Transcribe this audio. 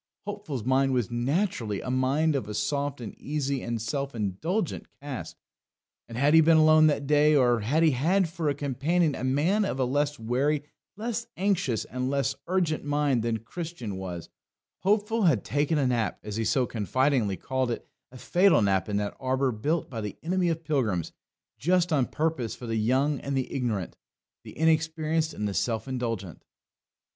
Hopeful's mind was naturally a mind of a soft and easy and self indulgent cast; and had he been alone that day, or had he had for a companion a man of a less wary, less anxious, and less urgent mind than Christian was, Hopeful had taken a nap, as he so confidingly called it a fatal nap in that arbour built by the enemy of pilgrims, just on purpose for the young and the ignorant, the inexperienced and the self indulgent.